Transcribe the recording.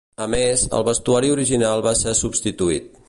A més, el vestuari original va ser substituït.